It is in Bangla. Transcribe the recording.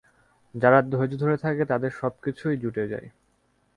যারা ধৈর্য ধরে থাকে, তাদের সব কিছুই জুটে যায়।